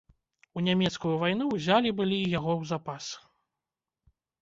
У нямецкую вайну ўзялі былі й яго ў запас.